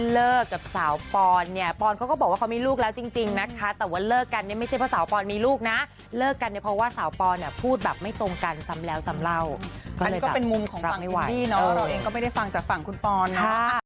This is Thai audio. เลิกกันเนี้ยเพราะว่าสาวปอนเนี้ยพูดแบบไม่ตรงกันซ้ำแล้วซ้ำเล่าอันนี้ก็เป็นมุมของฝั่งอินดี้เนอะเราเองก็ไม่ได้ฟังจากฝั่งคุณปอนค่ะ